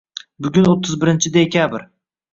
Bugun o‘ttiz birinchi dekabr.